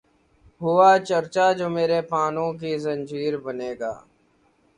ہوا چرچا جو میرے پانو کی زنجیر بننے کا